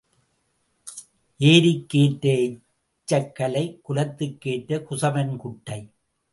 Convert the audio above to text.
ஏரிக்கு ஏற்ற எச்சக்கலை குலத்துக்கு ஏற்ற குசவன் குட்டை.